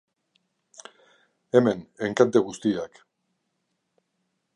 Hemen, enkante guztiak.